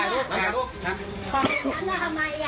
แล้วทำไมอ่ะ